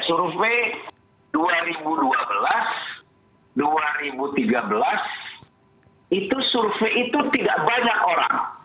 survei dua ribu dua belas dua ribu tiga belas itu survei itu tidak banyak orang